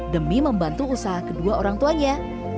demi membantu usaha kedua orang tuanya